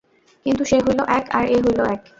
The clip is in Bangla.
কিন্তু সে হইল এক, আর এ হইল এক।